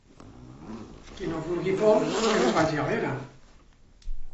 Qui no vulgui pols, que no vagi a l'era.